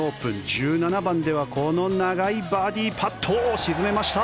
１７番ではこの長いバーディーパットを沈めました。